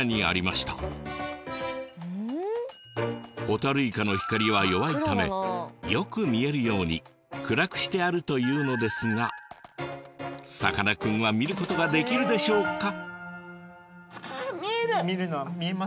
ホタルイカの光は弱いためよく見えるように暗くしてあるというのですがさかなクンは見ることができるでしょうか？